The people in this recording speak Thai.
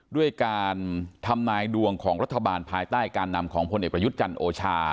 ด้วยการทำไมดวงของรัฐบาลภายใต้การนำของออยจรัฐโอชา